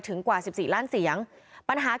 โหวตตามเสียงข้างมาก